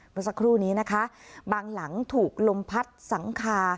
เมื่อสักครู่นี้นะคะบางหลังถูกลมพัดหลังคา